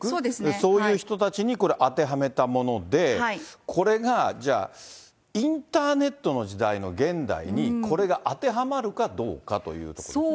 そういう人たちに、これ当てはめたもので、これがじゃあ、インターネットの時代の現代に、これが当てはまるかどうかというところですね。